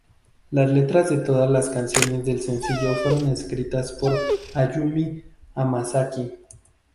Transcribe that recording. Las letras de todas las canciones del sencillo fueron escritas por Ayumi Hamasaki.